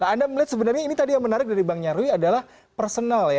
anda melihat sebenarnya ini tadi yang menarik dari bang nyarwi adalah personal ya